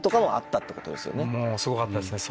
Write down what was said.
もうすごかったですね